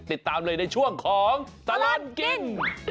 ติดตามเลยในช่วงของตลอดกิน